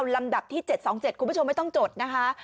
ลำดับที่๗๒๗คุณผู้ชมไม่ต้องจดนะคะ